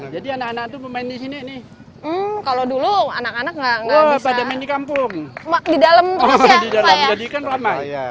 jadi anak anak tuh main di sini nih kalau dulu anak anak nggak bisa di kampung di dalam